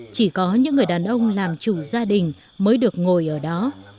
chỉ có những người đàn ông làm chủ gia đình mới được ngồi ở đó